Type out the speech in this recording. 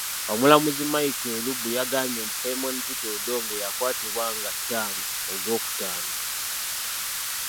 Omulamuzi Michael Elubu yagambye nti Simon Peter Odongo eyakwatibwa nga ttaano Ogwokutaano.